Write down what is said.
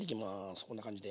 こんな感じで。